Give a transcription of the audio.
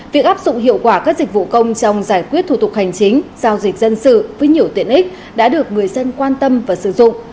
việc áp dụng hiệu quả các dịch vụ công trong giải quyết thủ tục hành chính giao dịch dân sự với nhiều tiện ích đã được người dân quan tâm và sử dụng